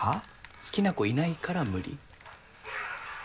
好きな子いないから無理？